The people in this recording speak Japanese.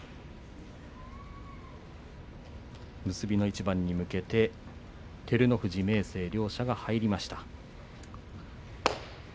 結びの一番に向けて照ノ富士、明生両者が入りました。